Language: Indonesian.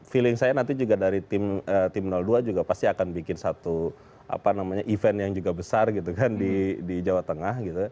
feeling saya nanti juga dari tim dua juga pasti akan bikin satu event yang juga besar gitu kan di jawa tengah gitu